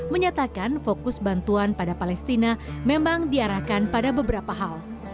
menyatakan fokus bantuan pada palestina memang diarahkan pada beberapa hal